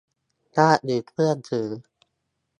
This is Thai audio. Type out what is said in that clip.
ญาติหรือเพื่อนถือ